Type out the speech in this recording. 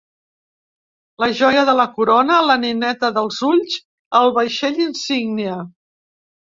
La joia de la corona, la nineta dels ulls, el vaixell insígnia.